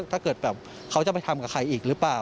ถ้าเกิดแบบเขาจะไปทำกับใครอีกหรือเปล่า